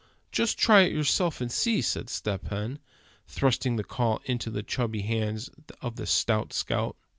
"Just try it yourself, and see," said Step Hen, thrusting the call into the chubby hands of the stout scout.